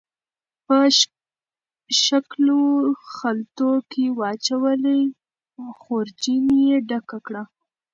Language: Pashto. په ښکلو خلطو کې واچولې، خورجین یې ډکه کړه